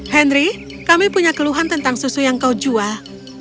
henry kami punya keluhan tentang susu yang kau jual